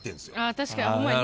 確かにホンマや。